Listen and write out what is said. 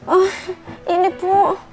oh ini pu